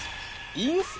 インスタ？